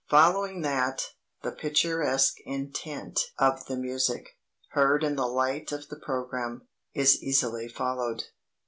Following that, the picturesque intent of the music, heard in the light of the programme, is easily followed.